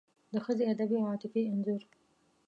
د ښځې ادبي او عاطفي انځور